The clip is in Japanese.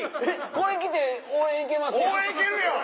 これ着て応援行けますやん。